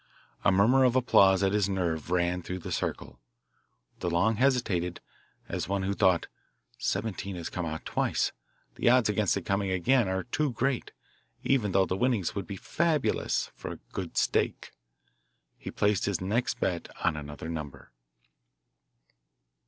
A murmur of applause at his nerve ran through the circle. DeLong hesitated, as one who thought, "Seventeen has come out twice the odds against its coming again are too great, even though the winnings would be fabulous, for a good stake." He placed his next bet on another number.